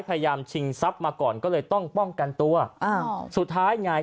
พยายามชิงทรัพย์มาก่อนก็เลยต้องป้องกันตัวอ่าสุดท้ายงาย